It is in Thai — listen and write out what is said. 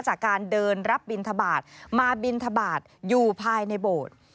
จากการเดินรับบินทบาทมาบินทบาทอยู่ภายในโบสถ์